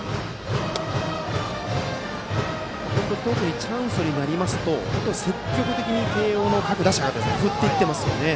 特にチャンスになりますと積極的に慶応の各打者が振っていっていますよね。